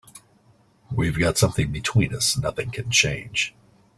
We've got something between us nothing can change.